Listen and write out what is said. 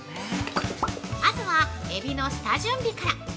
まずは、エビの下準備から！